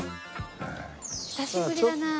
久しぶりだなあ。